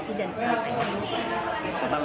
alamatnya ke masjid yang selalu ada ini